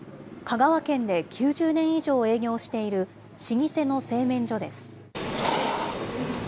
香川県で９０年以上営業している老舗の製麺所です。